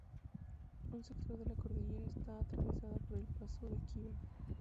Un sector de la cordillera es atravesada por el paso de Khyber.